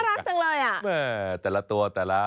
น่ารักจังเลยแต่ละตัวแต่ละ